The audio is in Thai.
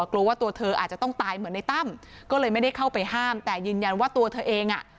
กลัวว่าตัวเธออาจจะต้องตายเหมือนในตั้มก็เลยไม่ได้เข้าไปห้ามแต่ยืนยันว่าตัวเธอเองอ่ะ